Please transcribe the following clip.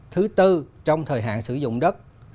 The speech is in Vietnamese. thứ tư trong thời hạn sử dụng đất